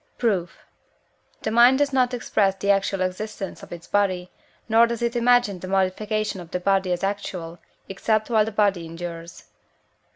Proof. The mind does not express the actual existence of its body, nor does it imagine the modifications of the body as actual, except while the body endures (II.